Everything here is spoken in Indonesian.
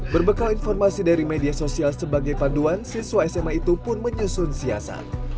berbekal informasi dari media sosial sebagai panduan siswa sma itu pun menyusun siasat